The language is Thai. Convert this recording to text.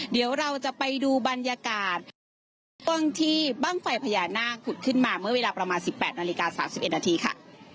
เดี๋ยวเราจะไปดูบรรยากาศที่บ้างไฟพยานาคขุดขึ้นมาเมื่อเวลาประมาณสิบแปดนาฬิกาสามสิบเอ็ดนาทีค่ะ